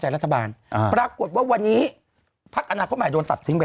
รัฐบาลอ่าปรากฏว่าวันนี้พักอนาคตใหม่โดนตัดทิ้งไป